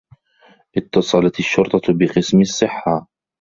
اتّصلت الشّرطة بقسم الصّحّة.